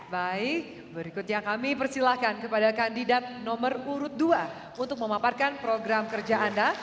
baik berikutnya kami persilahkan kepada kandidat nomor urut dua untuk memaparkan program kerja anda